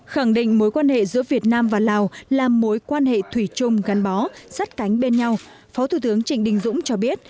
khẳng định mối quan hệ giữa việt nam và lào là mối quan hệ thủy chung gắn bó sắt cánh bên nhau phó thủ tướng trịnh đình dũng cho biết